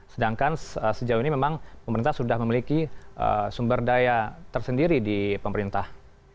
sedangkan sejauh ini memang pemerintah sudah memiliki sumber daya tersendiri di pemerintah